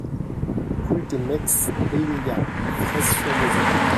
Rue des Meix Beillia, Fresse-sur-Moselle